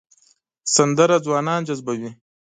سندره ځوانان جذبوي